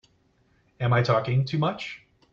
Am I talking too much?